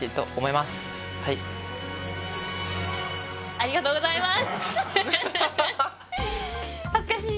ありがとうございます。